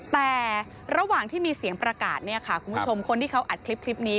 แต่ระหว่างที่มีเสียงประกาศเนี่ยค่ะคุณผู้ชมคนที่เขาอัดคลิปนี้